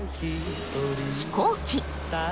飛行機。